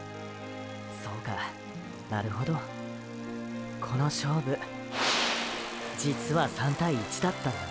そうかなるほどこの勝負実は３対１だったんだね。